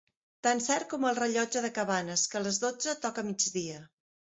Tan cert com el rellotge de Cabanes, que a les dotze toca migdia.